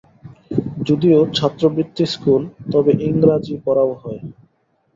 যদিও ছাত্রবৃত্তিস্কুল তবে ইংরাজি পড়াও হয়।